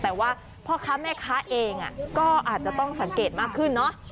แต่ว่าพ่อค้าแม่ค้าเองก็อาจจะต้องสังเกตมากขึ้นเนอะ